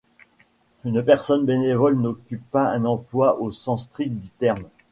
Une personne bénévole n'occupe pas un emploi au sens strict du terme.